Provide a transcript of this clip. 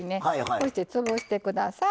こうして潰してください。